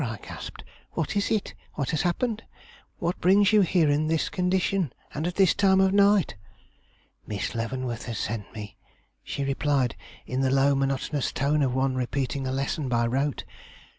I gasped, 'what is it? what has happened? what brings you here in this condition and at this time of night?' 'Miss Leavenworth has sent me,' she replied, in the low, monotonous tone of one repeating a lesson by rote.